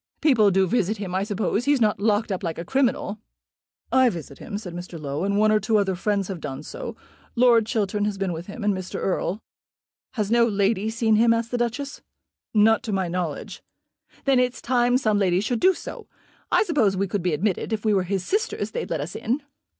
"People do visit him, I suppose. He's not locked up like a criminal." "I visit him," said Mr. Low, "and one or two other friends have done so. Lord Chiltern has been with him, and Mr. Erle." "Has no lady seen him?" asked the Duchess. "Not to my knowledge." "Then it's time some lady should do so. I suppose we could be admitted. If we were his sisters they'd let us in."